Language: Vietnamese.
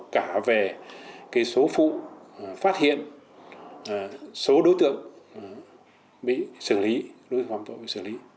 cả về số vụ phát hiện số đối tượng bị xử lý đối tượng phạm tội bị xử lý